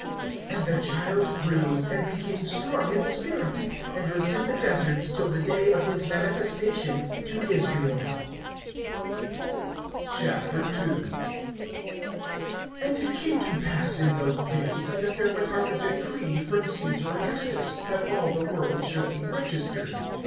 (80)And the child grew, and became strong in spirit, and was in the deserts till the day of his manifestation to Israel. II. AND it came to pass in those days, that there went out a decree from Caesar Augustus, that all the world should be registered.